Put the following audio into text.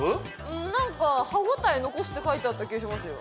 うん何か「歯応え残す」って書いてあった気がしますよ